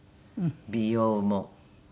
美容もね